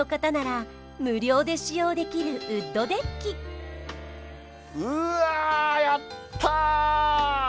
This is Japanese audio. はいうわやった！